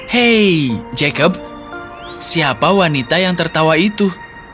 hei jacob siapa wanita yang tertawa itu